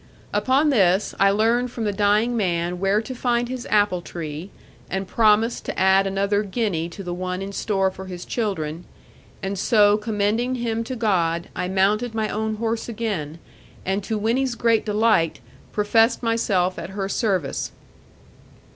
Upon this I learned from the dying man where to find his apple tree, and promised to add another guinea to the one in store for his children; and so, commending him to God, I mounted my own horse again, and to Winnie's great delight, professed myself at her service.